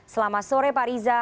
selamat sore pak riza